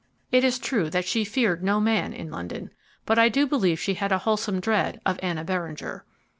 It is true that she feared no man in London, but I do believe she had a wholesome dread of Anna Beringer.